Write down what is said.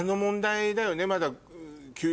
まだ。